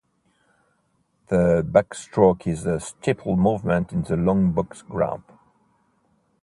The Backstroke is a staple movement in the Long Box Group.